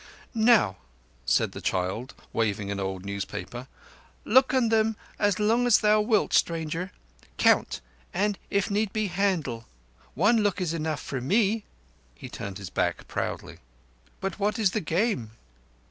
"Now," said the child, waving an old newspaper. "Look on them as long as thou wilt, stranger. Count and, if need be, handle. One look is enough for me." He turned his back proudly. "But what is the game?"